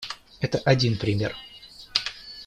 Это один пример.